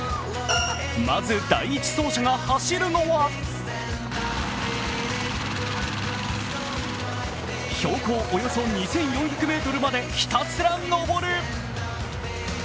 まず第１走者が走るのは標高およそ２４００ｍまでひたすら登る。